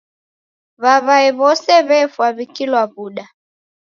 W'aw'ae w'ose w'efwa w'ikilwa w'uda.